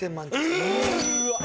え⁉